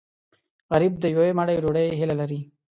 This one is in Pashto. غریب د یوې مړۍ ډوډۍ هیله لري